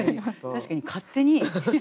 確かに勝手に。